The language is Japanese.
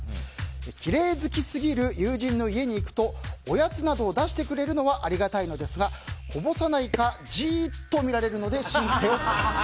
きれい好きすぎる友人の家に行くとおやつなどを出してくれるのはありがたいのですがこぼさないかじーっと見られるので神経を使います。